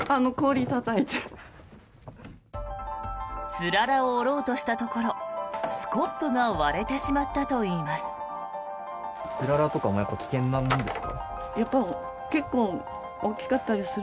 つららを折ろうとしたところスコップが割れてしまったといいます。